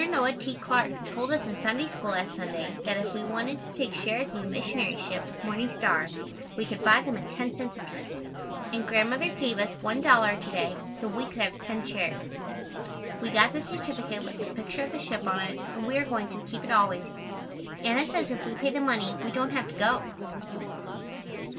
Noah T. Clarke told us in Sunday School last Sunday that if we wanted to take shares in the missionary ship, Morning Star, we could buy them at 10 cents apiece, and Grandmother gave us $1 to day so we could have ten shares. We got the certificate with a picture of the ship on it, and we are going to keep it always. Anna says if we pay the money, we don't have to go.